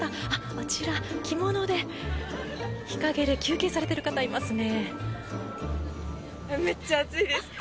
あちら、着物で日陰で休憩されている方いますね。